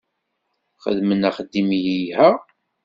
Xedmen axeddim yelha.